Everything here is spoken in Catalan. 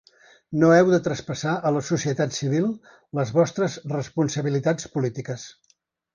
No heu de traspassar a la societat civil les vostres responsabilitats polítiques.